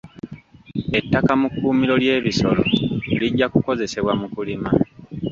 Ettaka mu kkuumiro ly'ebisolo lijja kukozesebwa mu kulima.